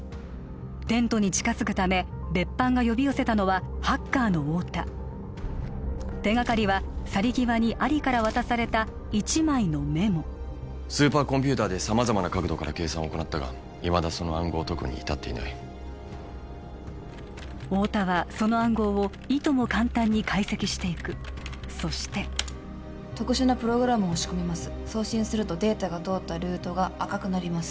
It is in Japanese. テントに近づくため別班が呼び寄せたのはハッカーの太田手がかりは去り際にアリから渡された一枚のメモスーパーコンピューターで様々な角度から計算を行ったがいまだその暗号を解くに至っていない太田はその暗号をいとも簡単に解析していくそして特殊なプログラムを仕込みます送信するとデータが通ったルートが赤くなります